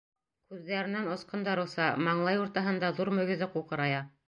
Күҙҙәренән осҡондар оса, маңлай уртаһында ҙур мөгөҙө ҡуҡырая.